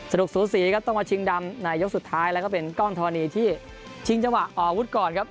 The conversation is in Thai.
สนุกสูศีก็ต้องมาชิงดำในยุคสุดท้ายและก็เป็นก้อนทอนีที่ชิงจังหวะออกวุฒิก่อนครับ